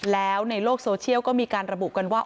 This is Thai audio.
แล้วในโลกโซเชียลก็มีการระบุกันว่า